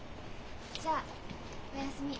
じゃあおやすみ。